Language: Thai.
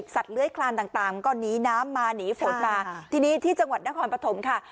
เลื้อยคลานต่างต่างก็หนีน้ำมาหนีฝนมาทีนี้ที่จังหวัดนครปฐมค่ะ